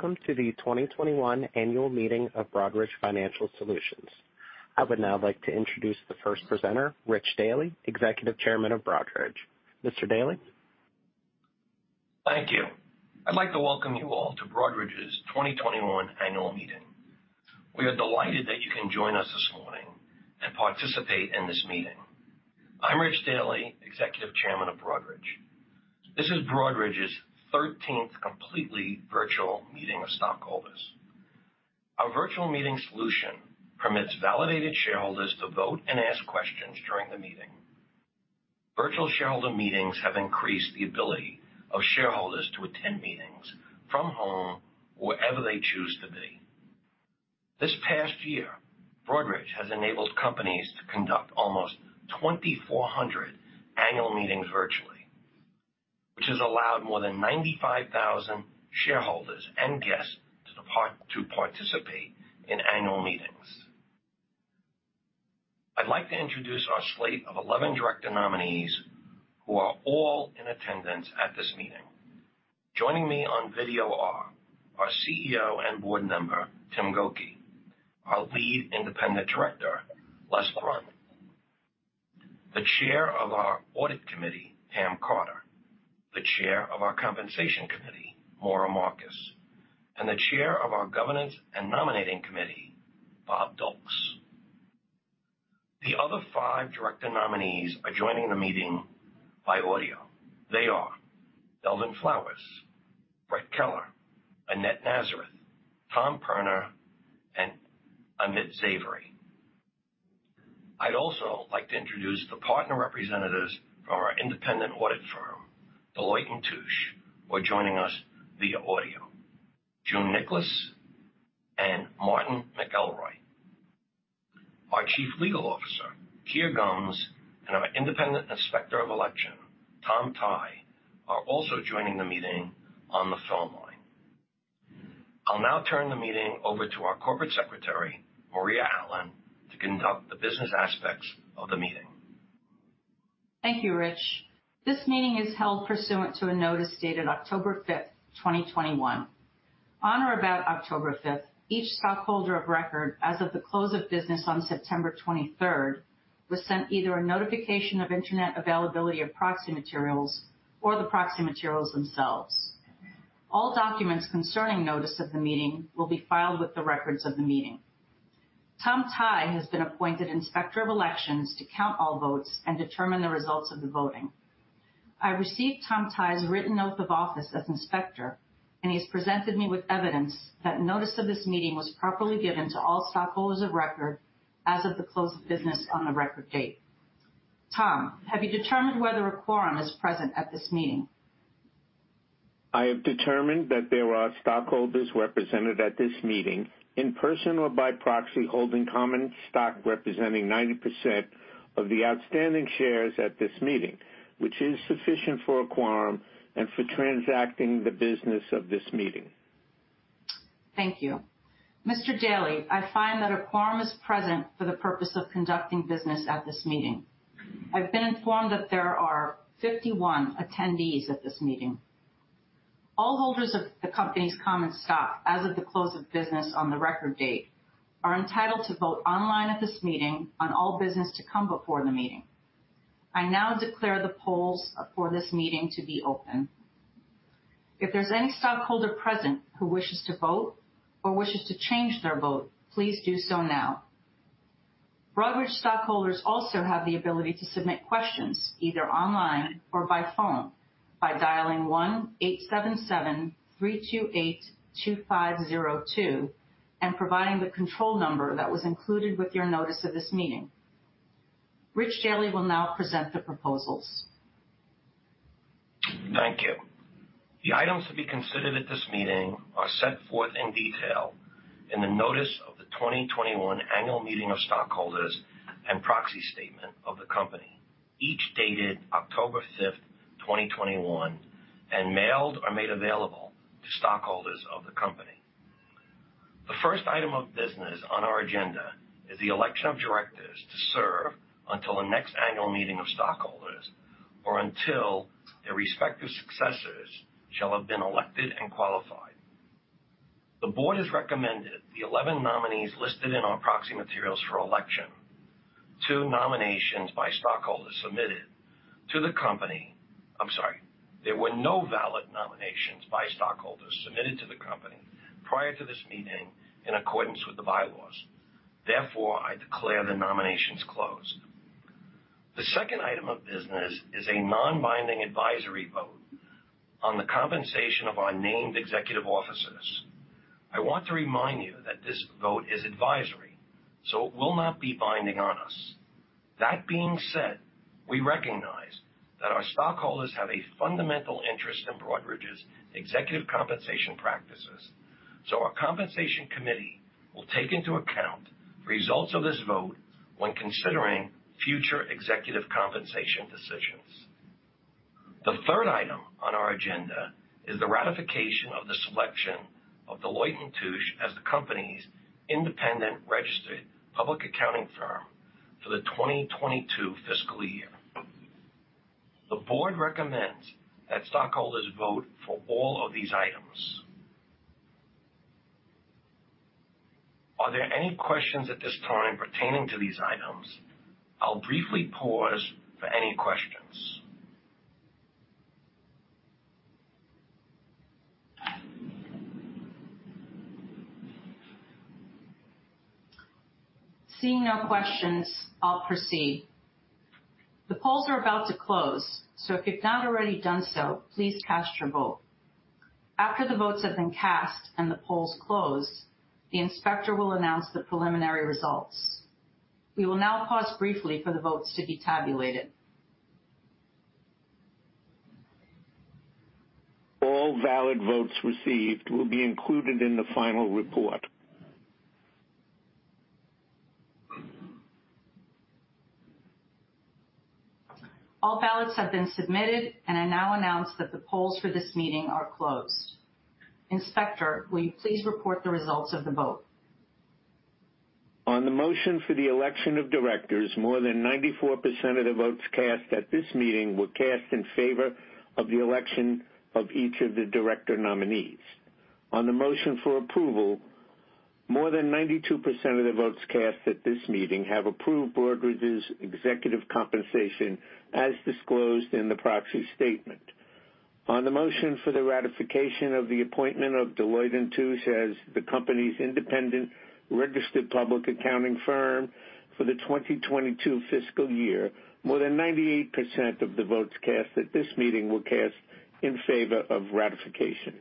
Welcome to the 2021 annual meeting of Broadridge Financial Solutions. I would now like to introduce the first presenter, Rich Daly, Executive Chairman of Broadridge. Mr. Daly? Thank you. I'd like to welcome you all to Broadridge's 2021 annual meeting. We are delighted that you can join us this morning and participate in this meeting. I'm Rich Daly, Executive Chairman of Broadridge. This is Broadridge's 13th completely virtual meeting of stockholders. Our virtual meeting solution permits validated shareholders to vote and ask questions during the meeting. Virtual shareholder meetings have increased the ability of shareholders to attend meetings from home or wherever they choose to be. This past year, Broadridge has enabled companies to conduct almost 2,400 annual meetings virtually, which has allowed more than 95,000 shareholders and guests to participate in annual meetings. I'd like to introduce our slate of 11 director nominees who are all in attendance at this meeting. Joining me on video are our CEO and board member, Tim Gokey, our Lead Independent Director, Les Brun, the Chair of our Audit Committee, Pam Carter, the Chair of our Compensation Committee, Maura Markus, and the Chair of our Governance and Nominating Committee, Robert Deuel. The other five director nominees are joining the meeting by audio. They are Melvin Flowers, Brett Keller, Annette Nazareth, Tom Perna, and Amit Zavery. I'd also like to introduce the partner representatives from our independent audit firm, Deloitte & Touche, who are joining us via audio, June Nicholas and Marty McElroy. Our Chief Legal Officer, Hope Jarkowski, and our Independent Inspector of Election, Tom Tai, are also joining the meeting on the phone line. I'll now turn the meeting over to our Corporate Secretary, Maria Allen, to conduct the business aspects of the meeting. Thank you, Rich. This meeting is held pursuant to a notice dated October 5, 2021. On or about October 5, each stockholder of record as of the close of business on September 23 was sent either a notification of internet availability of proxy materials or the proxy materials themselves. All documents concerning notice of the meeting will be filed with the records of the meeting. Tom Tai has been appointed Inspector of Elections to count all votes and determine the results of the voting. I received Tom Tai's written oath of office as inspector, and he has presented me with evidence that notice of this meeting was properly given to all stockholders of record as of the close of business on the record date. Tom, have you determined whether a quorum is present at this meeting? I have determined that there are stockholders represented at this meeting in person or by proxy, holding common stock representing 90% of the outstanding shares at this meeting, which is sufficient for a quorum and for transacting the business of this meeting. Thank you, Mr. Daly. I find that a quorum is present for the purpose of conducting business at this meeting. I've been informed that there are 51 attendees at this meeting. All holders of the company's common stock as of the close of business on the record date are entitled to vote online at this meeting on all business to come before the meeting. I now declare the polls for this meeting to be open. If there's any stockholder present who wishes to vote or wishes to change their vote, please do so now. Broadridge stockholders also have the ability to submit questions either online or by phone by dialing 1-877-328-2502 and providing the control number that was included with your notice of this meeting. Rich Daly will now present the proposals. Thank you. The items to be considered at this meeting are set forth in detail in the notice of the 2021 annual meeting of stockholders and proxy statement of the company, each dated October 5, 2021, and mailed or made available to stockholders of the company. The first item of business on our agenda is the election of directors to serve until the next annual meeting of stockholders or until their respective successors shall have been elected and qualified. The Board has recommended the 11 nominees listed in our proxy materials for election. There were no valid nominations by stockholders submitted to the company prior to this meeting in accordance with the bylaws. Therefore, I declare the nominations closed. The second item of business is a non-binding advisory vote on the compensation of our named executive officers. I want to remind you that this vote is advisory, so it will not be binding on us. That being said, we recognize that our stockholders have a fundamental interest in Broadridge's executive compensation practices. Our Compensation Committee will take into account results of this vote when considering future executive compensation decisions. The third item on our agenda is the ratification of the selection of Deloitte & Touche as the company's independent registered public accounting firm for the 2022 fiscal year. The Board recommends that stockholders vote for all of these items. Are there any questions at this time pertaining to these items? I'll briefly pause for any questions. Seeing no questions, I'll proceed. The polls are about to close, so if you've not already done so, please cast your vote. After the votes have been cast and the polls close, the inspector will announce the preliminary results. We will now pause briefly for the votes to be tabulated. All valid votes received will be included in the final report. All ballots have been submitted, and I now announce that the polls for this meeting are closed. Inspector, will you please report the results of the vote? On the motion for the election of directors, more than 94% of the votes cast at this meeting were cast in favor of the election of each of the director nominees. On the motion for approval, more than 92% of the votes cast at this meeting have approved Broadridge's executive compensation as disclosed in the proxy statement. On the motion for the ratification of the appointment of Deloitte & Touche as the company's independent registered public accounting firm for the 2022 fiscal year, more than 98% of the votes cast at this meeting were cast in favor of ratification.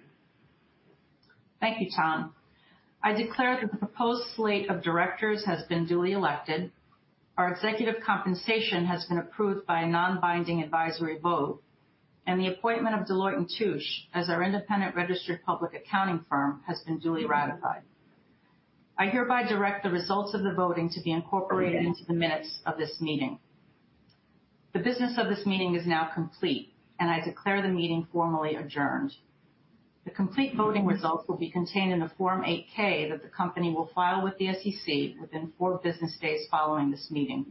Thank you, Tom. I declare that the proposed slate of directors has been duly elected. Our executive compensation has been approved by a non-binding advisory vote, and the appointment of Deloitte & Touche as our independent registered public accounting firm has been duly ratified. I hereby direct the results of the voting to be incorporated into the minutes of this meeting. The business of this meeting is now complete, and I declare the meeting formally adjourned. The complete voting results will be contained in the Form 8-K that the company will file with the SEC within four business days following this meeting.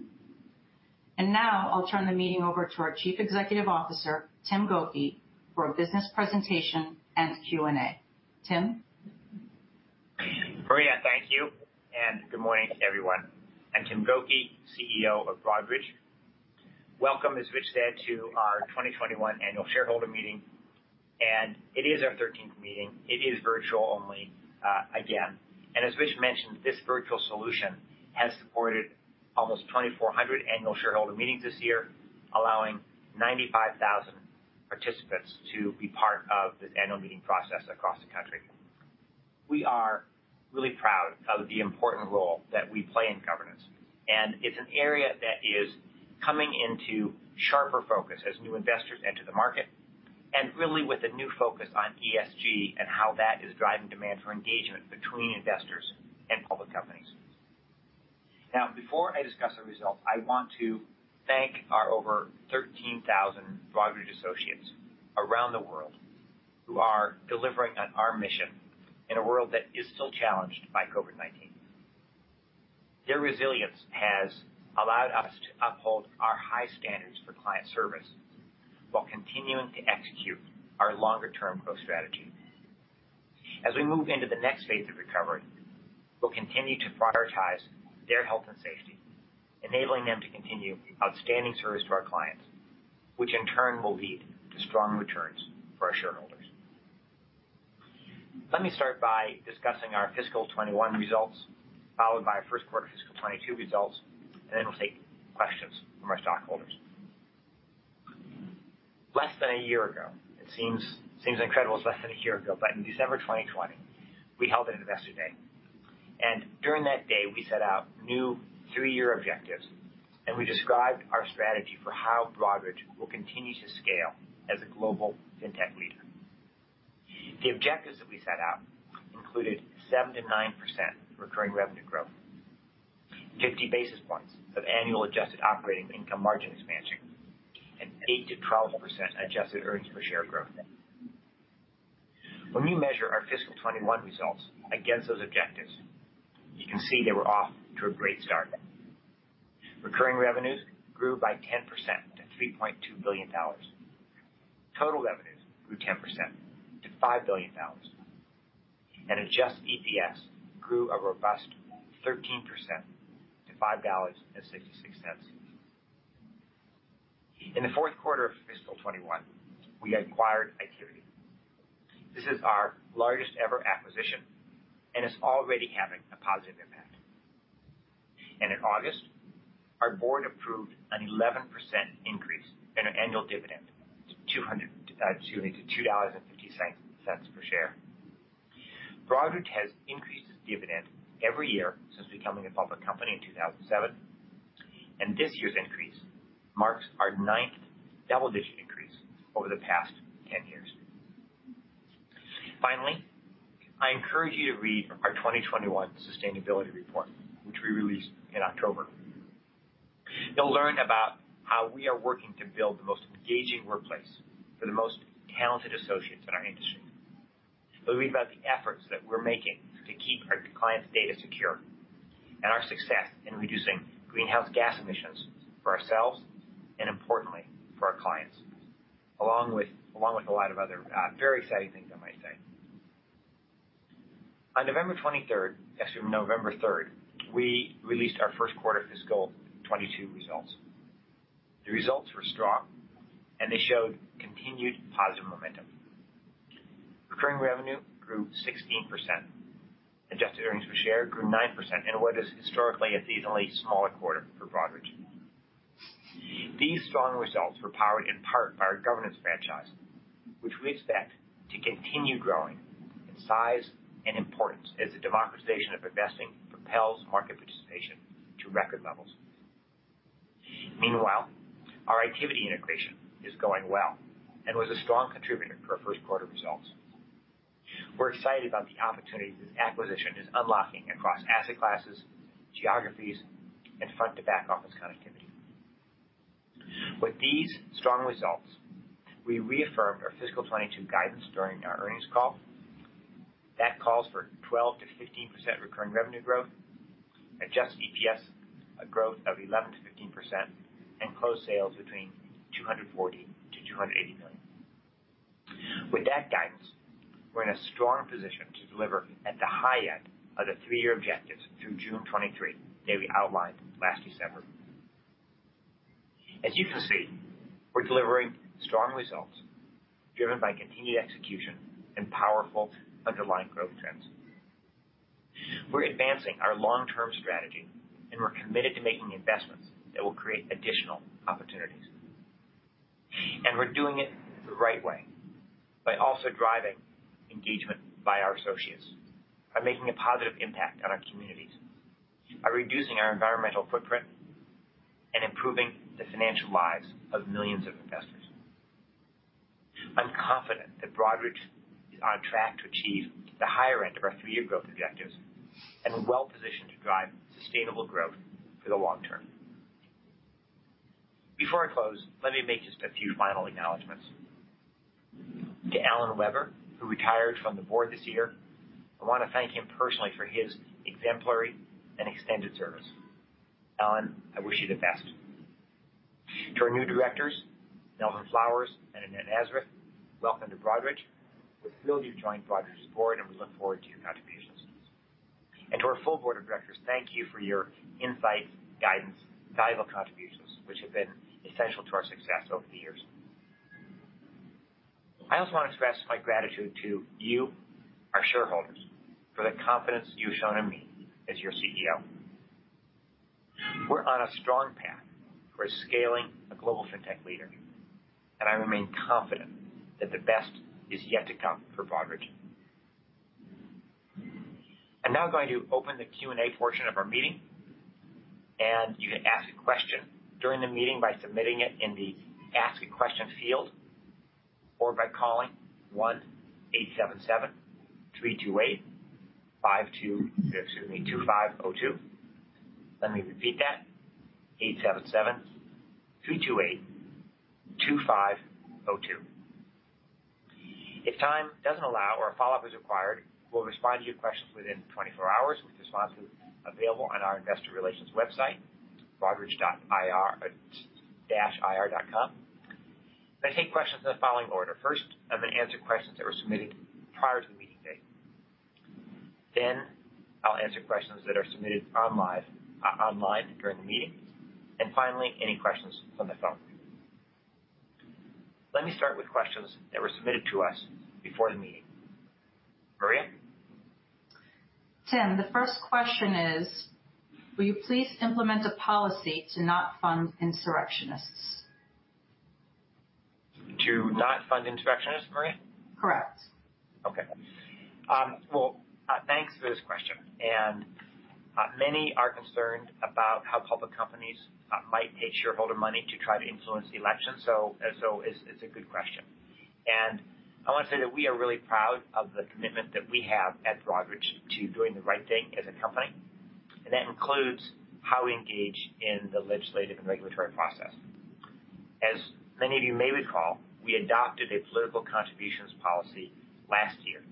Now I'll turn the meeting over to our Chief Executive Officer, Tim Gokey, for a business presentation and Q&A. Tim. Maria, thank you, and good morning to everyone. I'm Tim Gokey, CEO of Broadridge. Welcome, as Rich said, to our 2021 annual shareholder meeting, and it is our 13th meeting. It is virtual only, again. As Rich mentioned, this virtual solution has supported almost 2,400 annual shareholder meetings this year, allowing 95,000 participants to be part of this annual meeting process across the country. We are really proud of the important role that we play in governance, and it's an area that is coming into sharper focus as new investors enter the market, and really with a new focus on ESG and how that is driving demand for engagement between investors and public companies. Now, before I discuss our results, I want to thank our over 13,000 Broadridge associates around the world who are delivering on our mission in a world that is still challenged by COVID-19. Their resilience has allowed us to uphold our high standards for client service while continuing to execute our longer term growth strategy. As we move into the next phase of recovery, we'll continue to prioritize their health and safety, enabling them to continue outstanding service to our clients, which in turn will lead to strong returns for our shareholders. Let me start by discussing our fiscal 2021 results, followed by our Q1 fiscal 2022 results, and then we'll take questions from our stockholders. Less than a year ago, it seems incredible it's less than a year ago, but in December 2020, we held an Investor Day. During that day, we set out new three-year objectives, and we described our strategy for how Broadridge will continue to scale as a global fintech leader. The objectives that we set out included 7%-9% recurring revenue growth, 50 basis points of annual adjusted operating income margin expansion, and 8%-12% adjusted earnings per share growth. When we measure our fiscal 2021 results against those objectives, you can see they were off to a great start. Recurring revenues grew by 10% to $3.2 billion. Total revenues grew 10% to $5 billion. Adjusted EPS grew a robust 13% to $5.66. In the Q4 of fiscal 2021, we acquired Itiviti. This is our largest ever acquisition and is already having a positive impact. In August, our board approved an 11% increase in our annual dividend to $2.50 per share. Broadridge has increased its dividend every year since becoming a public company in 2007, and this year's increase marks our ninth double-digit increase over the past 10 years. Finally, I encourage you to read our 2021 sustainability report, which we released in October. You'll learn about how we are working to build the most engaging workplace for the most talented associates in our industry. It'll be about the efforts that we're making to keep our clients' data secure and our success in reducing greenhouse gas emissions for ourselves and importantly, for our clients, along with a lot of other very exciting things, I might say. On November 3, we released our Q1 fiscal 2022 results. The results were strong, and they showed continued positive momentum. Recurring revenue grew 16%. Adjusted earnings per share grew 9% in what is historically a seasonally smaller quarter for Broadridge. These strong results were powered in part by our governance franchise, which we expect to continue growing in size and importance as the democratization of investing propels market participation to record levels. Meanwhile, our Itiviti integration is going well and was a strong contributor to our Q1 results. We're excited about the opportunities this acquisition is unlocking across asset classes, geographies, and front-to-back office connectivity. With these strong results, we reaffirmed our fiscal 2022 guidance during our earnings call. That calls for 12%-15% recurring revenue growth, adjusted EPS growth of 11%-15%, and close sales between $240 million-$280 million. With that guidance, we're in a strong position to deliver at the high end of the three-year objectives through June 2023 that we outlined last December. As you can see, we're delivering strong results driven by continued execution and powerful underlying growth trends. We're advancing our long-term strategy, and we're committed to making investments that will create additional opportunities. We're doing it the right way by also driving engagement by our associates, by making a positive impact on our communities, by reducing our environmental footprint, and improving the financial lives of millions of investors. I'm confident that Broadridge is on track to achieve the higher end of our three-year growth objectives and well-positioned to drive sustainable growth for the long term. Before I close, let me make just a few final acknowledgments. To Alan Weber, who retired from the board this year, I want to thank him personally for his exemplary and extended service. Alan, I wish you the best. To our new directors, Melvin Flowers and Annette Nazareth, welcome to Broadridge. We're thrilled you've joined Broadridge's board, and we look forward to your contributions. To our full board of directors, thank you for your insights, guidance, valuable contributions which have been essential to our success over the years. I also want to express my gratitude to you, our shareholders, for the confidence you've shown in me as your CEO. We're on a strong path for scaling a global fintech leader, and I remain confident that the best is yet to come for Broadridge. I'm now going to open the Q&A portion of our meeting, and you can ask a question during the meeting by submitting it in the Ask a Question field, or by calling 1-877-328-5202, excuse me, 2502. Let me repeat that. 877-328-2502. If time doesn't allow or a follow-up is required, we'll respond to your questions within 24 hours, with responses available on our investor relations website, broadridge.ir-dash-ir.com. I take questions in the following order. First, I'm going to answer questions that were submitted prior to the meeting date. Then I'll answer questions that are submitted on live, online during the meeting. Finally, any questions from the phone. Let me start with questions that were submitted to us before the meeting. Maria. Tim, the first question is, will you please implement a policy to not fund insurrectionists? To not fund insurrectionists, Maria? Correct. Okay. Well, thanks for this question. Many are concerned about how public companies might take shareholder money to try to influence the election. It's a good question. I want to say that we are really proud of the commitment that we have at Broadridge to doing the right thing as a company, and that includes how we engage in the legislative and regulatory process. As many of you may recall, we adopted a political contributions policy last year.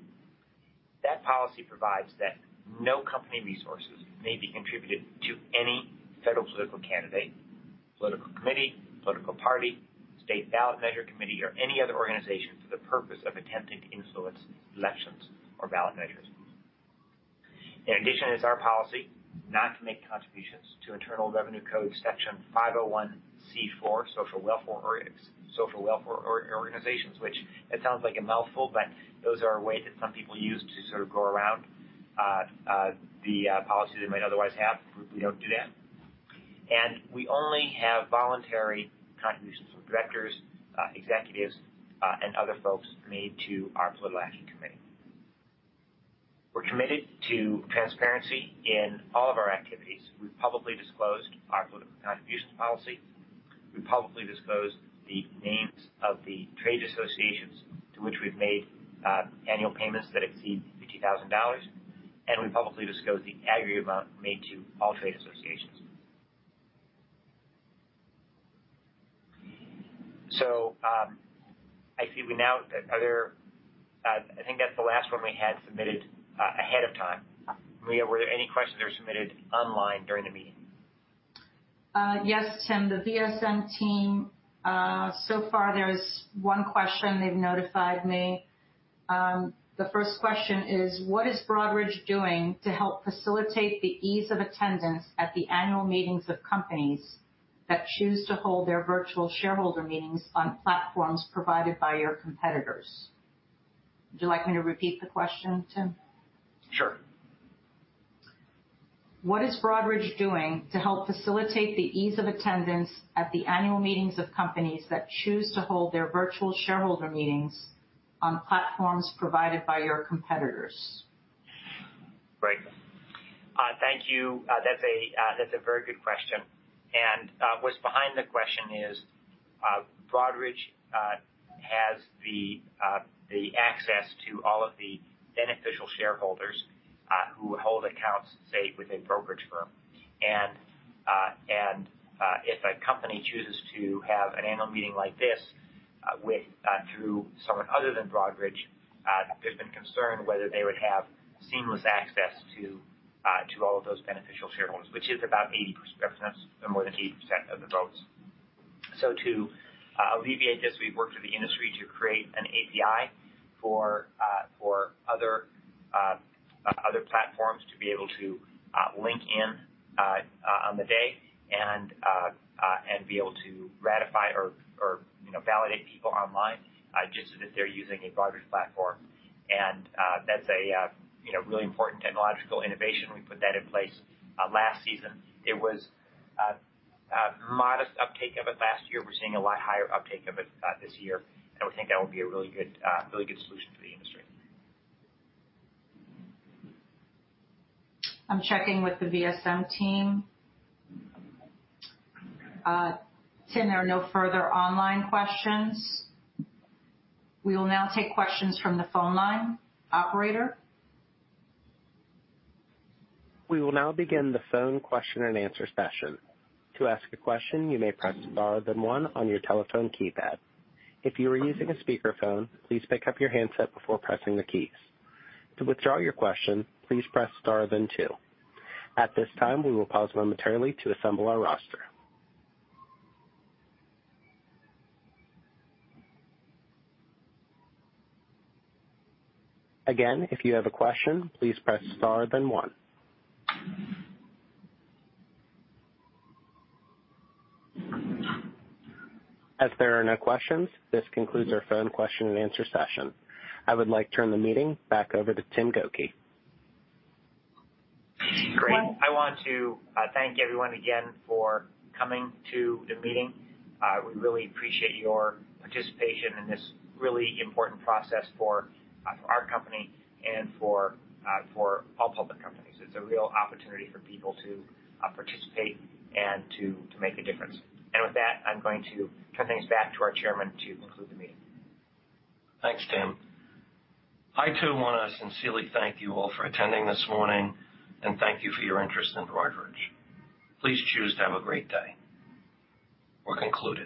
That policy provides that no company resources may be contributed to any federal political candidate, political committee, political party, state ballot measure committee, or any other organization for the purpose of attempting to influence elections or ballot measures. In addition, it's our policy not to make contributions to Internal Revenue Code Section 501 for social welfare organizations, which it sounds like a mouthful, but those are a way that some people use to sort of go around the policy they might otherwise have. We don't do that. We only have voluntary contributions from directors, executives, and other folks made to our political action committee. We're committed to transparency in all of our activities. We've publicly disclosed our political contributions policy. We publicly disclosed the names of the trade associations to which we've made annual payments that exceed $50,000, and we publicly disclose the aggregate amount made to all trade associations. I see we now are there. I think that's the last one we had submitted ahead of time. Maria, were there any questions that were submitted online during the meeting? Yes, Tim. The VSM team, so far there's one question they've notified me. The first question is: What is Broadridge doing to help facilitate the ease of attendance at the annual meetings of companies that choose to hold their virtual shareholder meetings on platforms provided by your competitors? Would you like me to repeat the question, Tim? Sure. What is Broadridge doing to help facilitate the ease of attendance at the annual meetings of companies that choose to hold their virtual shareholder meetings on platforms provided by your competitors? Great. Thank you. That's a very good question. What's behind the question is, Broadridge has the access to all of the beneficial shareholders who hold accounts, say, with a brokerage firm. If a company chooses to have an annual meeting like this through someone other than Broadridge, there's been concern whether they would have seamless access to all of those beneficial shareholders, which is about 80%, more than 80% of the votes. To alleviate this, we've worked with the industry to create an API for other platforms to be able to link in on the day and be able to ratify or, you know, validate people online, just so that they're using a Broadridge platform. That's a you know really important technological innovation. We put that in place last season. It was a modest uptake of it last year. We're seeing a lot higher uptake of it this year, and we think that will be a really good solution for the industry. I'm checking with the VSM team. Tim, there are no further online questions. We will now take questions from the phone line. Operator? We will now begin the phone question and answer session. To ask a question, you may press star then one on your telephone keypad. If you are using a speakerphone, please pick up your handset before pressing the keys. To withdraw your question, please press star then two. At this time, we will pause momentarily to assemble our roster. Again, if you have a question, please press star then one. As there are no questions, this concludes our phone question and answer session. I would like to turn the meeting back over to Tim Gokey. Great. I want to thank everyone again for coming to the meeting. We really appreciate your participation in this really important process for our company and for all public companies. It's a real opportunity for people to participate and to make a difference. With that, I'm going to turn things back to our chairman to conclude the meeting. Thanks, Tim. I too wanna sincerely thank you all for attending this morning, and thank you for your interest in Broadridge. Please choose to have a great day. We're concluding.